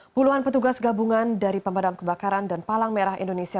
puluhan petugas gabungan dari pemadam kebakaran dan palang merah indonesia